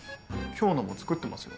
凶のも作ってますよ。